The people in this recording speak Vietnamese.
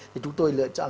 thì chúng tôi lựa chọn